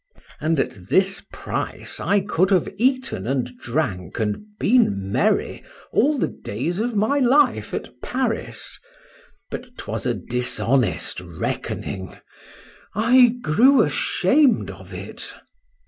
—And at this price I could have eaten and drank and been merry all the days of my life at Paris; but 'twas a dishonest reckoning;—I grew ashamed of it.